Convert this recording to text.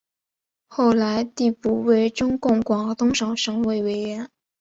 后来递补为中共广东省委委员。